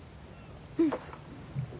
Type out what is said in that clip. うん。